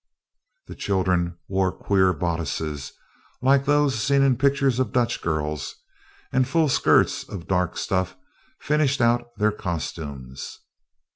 The children wore queer bodices, like those seen in pictures of Dutch girls, and full skirts of dark stuff finished out their costumes.